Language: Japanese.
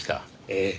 ええ。